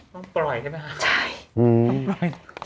ต้องปล่อยใช่ไหมคะอืมใช่